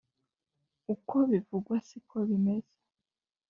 uko bivugwa siko bimeze